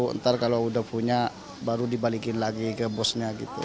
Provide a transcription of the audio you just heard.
nanti kalau sudah punya baru dibalikin lagi ke bosnya